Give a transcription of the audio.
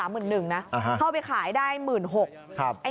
เข้าไปขายได้๑๖๐๐บาท